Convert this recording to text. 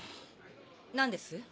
何です？